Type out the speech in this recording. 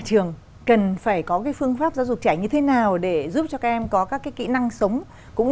trường cần phải có phương pháp giáo dục trẻ như thế nào để giúp cho các em có các cái kỹ năng sống cũng